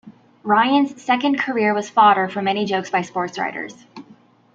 Ryan's second career was fodder for many jokes by sportswriters.